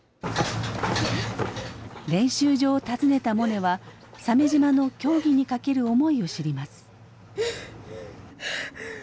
練習場を訪ねたモネは鮫島の競技に懸ける思いを知ります。